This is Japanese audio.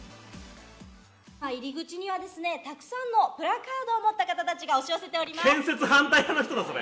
入り口にはですね、たくさんのプラカードを持った方たちが押し寄せております。